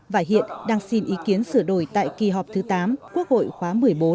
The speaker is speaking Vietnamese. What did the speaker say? và hiện đang xin ý kiến sửa đổi tại kỳ họp thứ tám quốc hội khóa một mươi bốn